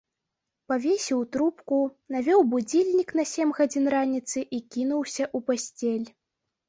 Павесіў трубку, навёў будзільнік на сем гадзін раніцы і кінуўся ў пасцель.